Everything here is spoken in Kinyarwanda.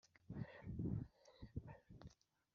Na mazina rusange agira